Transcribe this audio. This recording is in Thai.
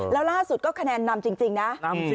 แล้วล่าสุดก็คะแนนนำจริงนะ